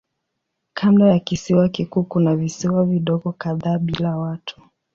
Kando ya kisiwa kikuu kuna visiwa vidogo kadhaa bila watu.